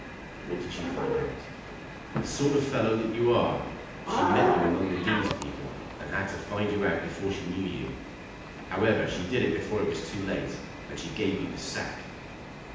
"What did she find out?" "The sort of fellow that you are. She met you among the Dean's people, and had to find you out before she knew you. However she did before it was too late, and she gave you the sack."